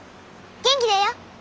元気だよ。